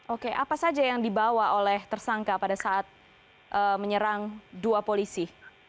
oke apa saja yang dibawa oleh tersangka pada saat menyerang dua polisi